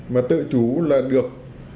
mà tự chủ là được